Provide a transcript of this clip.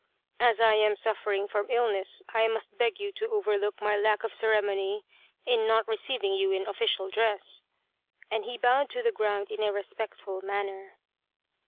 " As I am suffering from illness I must beg you to overlook my lack of ceremony in not receiving you in official dress," and he bowed to the ground in a respect ful manner.